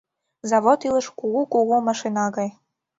Завод илыш кугу-кугу машина гай.